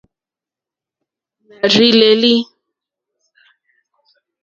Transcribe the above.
Nà rzí lélí.